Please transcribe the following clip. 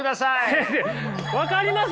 先生分かります？